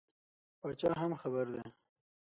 پاچا هم خبر دی.